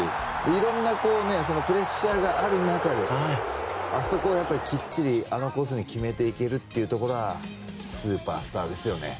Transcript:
いろんなプレッシャーがある中であそこできっちりあのコースに決めていけるというのはスーパースターですよね。